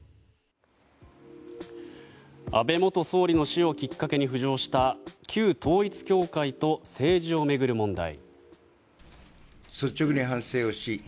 安倍元総理の死をきっかけに浮上した旧統一教会と政治を巡る問題。